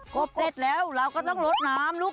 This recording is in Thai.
บเสร็จแล้วเราก็ต้องลดน้ำลูก